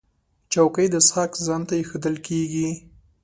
چوکۍ د څښاک ځای ته ایښودل کېږي.